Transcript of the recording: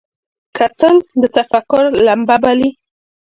کتل د تفکر لمبه بلي